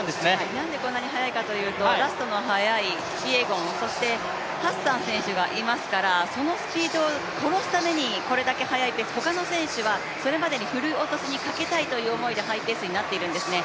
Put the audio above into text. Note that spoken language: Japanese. なんでこんなに速いかというと、ラストの速いキピエゴン、そしてハッサン選手がいますからそのスピードを殺すためにこれだけ速いペース、他の選手はそれまでにふるい落としにかけたいということでハイペースになっているんですね。